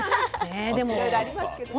いろいろありますけどね。